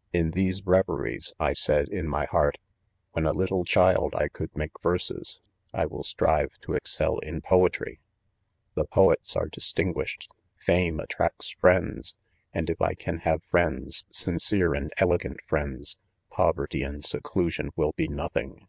" In these reYeries, I said in my heart, i when a little child I could make verses, I will strive to excel in Poetry The poets are distinguish ed | fame attracts friends, and if I can have friends, sincere and elegant friends, poverty. and seclusion will be nothing.